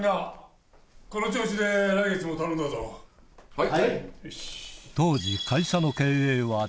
はい。